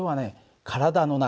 体の中